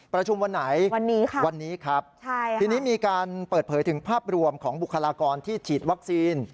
วันไหนวันนี้ค่ะวันนี้ครับทีนี้มีการเปิดเผยถึงภาพรวมของบุคลากรที่ฉีดวัคซีน